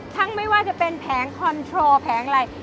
ไม่ว่าจะเป็นแผงคอนโทรแผงอะไร